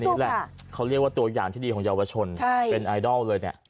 นี่แหละเขาเรียกว่าตัวอย่างที่ดีของเยาวชนเป็นไอดอลเลยเนี่ย